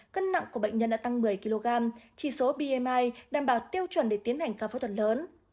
cân nặng của bệnh nhân đã tăng một mươi kg chỉ số bimi đảm bảo tiêu chuẩn để tiến hành ca phẫu thuật lớn